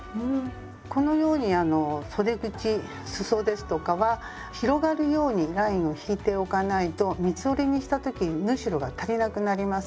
このようにあのそで口すそですとかは広がるようにラインを引いておかないと三つ折りにした時に縫い代が足りなくなります。